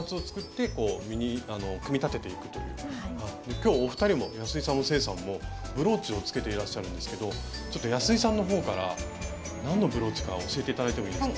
きょうお二人も安井さんも清さんもブローチをつけていらっしゃるんですけど安井さんのほうから何のブローチか教えていただいてもいいですか。